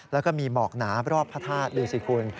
แล้วก็มีหมอกหนารอบพระธาตุดูสิคุณ